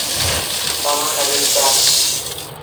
په مخه دې ښه